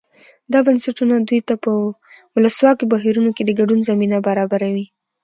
دا بنسټونه دوی ته په ولسواکو بهیرونو کې د ګډون زمینه برابروي.